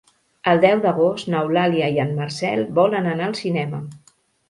El deu d'agost n'Eulàlia i en Marcel volen anar al cinema.